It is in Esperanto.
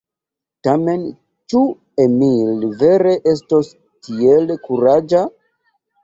Tamen ĉu Emil vere estos tiel kuraĝa?